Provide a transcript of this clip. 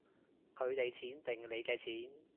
佢哋錢定你嘅錢